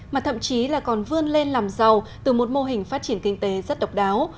mà thậm chí là còn vươn lên làm giàu từ một mô hình phát triển kinh tế rất độc đáo